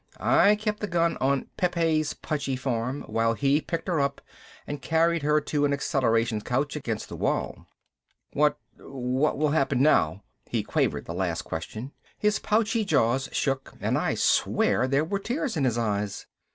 I kept the gun on Pepe's pudgy form while he picked her up and carried her to an acceleration couch against the wall. "What ... what will happen now?" He quavered the question. His pouchy jaws shook and I swear there were tears in his eyes.